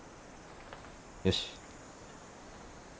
よし。